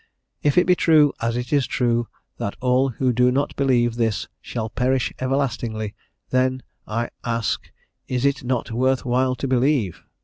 "If it be true, as it is true, that all who do not believe this shall perish everlastingly, then, I ask, _is it not worth while to believe?